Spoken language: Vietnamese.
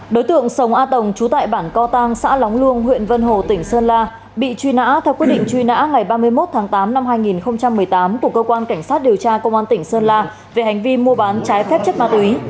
đối tượng sông a tồng trú tại bản co tăng xã lóng luông huyện vân hồ tỉnh sơn la bị truy nã theo quyết định truy nã ngày ba mươi một tháng tám năm hai nghìn một mươi tám của cơ quan cảnh sát điều tra công an tỉnh sơn la về hành vi mua bán trái phép chất ma túy